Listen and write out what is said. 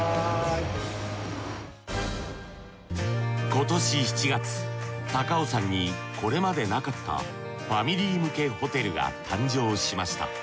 今年７月高尾山にこれまでなかったファミリー向けホテルが誕生しました。